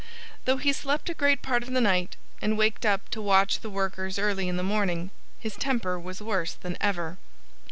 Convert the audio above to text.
Though he slept a great part of the night, and waked up to watch the workers early in the morning, his temper was worse than ever.